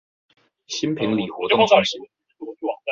新坪里活動中心